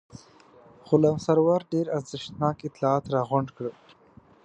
غلام سرور ډېر ارزښتناک اطلاعات راغونډ کړل.